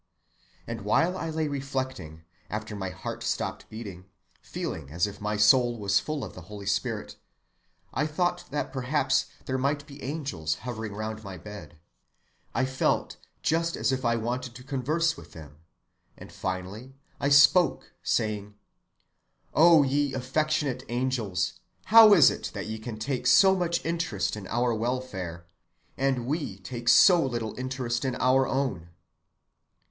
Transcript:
And while I lay reflecting, after my heart stopped beating, feeling as if my soul was full of the Holy Spirit, I thought that perhaps there might be angels hovering round my bed. I felt just as if I wanted to converse with them, and finally I spoke, saying, 'O ye affectionate angels! how is it that ye can take so much interest in our welfare, and we take so little interest in our own.